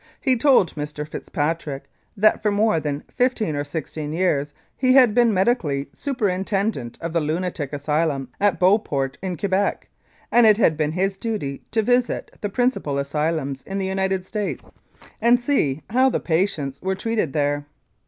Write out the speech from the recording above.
He told Mr. Fitzpatrick that for more than fifteen or sixteen years he had been medical superin tendent of the lunatic asylum at Beauport, in Quebec, and it had been his duty to visit the principal asylums in the United States and see how the patients were treated there.